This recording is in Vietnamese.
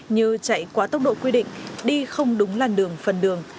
như chạy quá tốc độ quy định đi không đúng làn đường phần đường